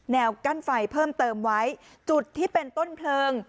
กั้นไฟเพิ่มเติมไว้จุดที่เป็นต้นเพลิง